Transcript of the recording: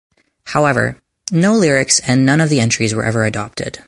However, no lyrics and none of the entries were ever adopted.